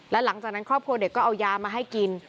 และหลังจากนั้นครอบครัวเด็กก็เอายามาให้กิน